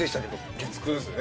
月９ですね。